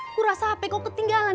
aku rasa apa kau ketinggalan